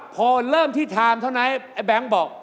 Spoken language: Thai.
พอเริ่มที่ไทม์เท่านั้นไอ้แบงค์บอก